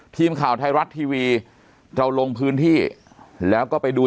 ทีมข่าวไทยรัฐทีวีเราลงพื้นที่แล้วก็ไปดู